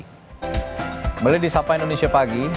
kembali di sapa indonesia pagi